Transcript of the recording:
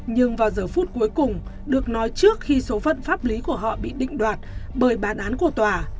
nhưng vào giờ phút cuối cùng được nói trước khi số phận pháp lý của họ bị định đoạt bởi bản án của tòa